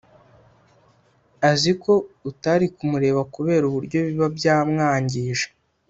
azi ko utari kumureba kubera uburyo biba byamwangije